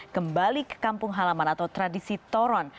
kembali ke kampung halaman atau tradisi toron